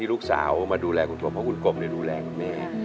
ลูกสาวมาดูแลคุณทมเพราะคุณกลมดูแลคุณแม่